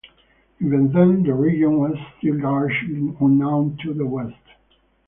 Even then the region was still largely unknown to the West.